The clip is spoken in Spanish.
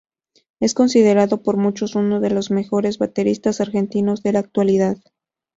Es considerado por muchos uno de los mejores bateristas argentinos de la actualidad.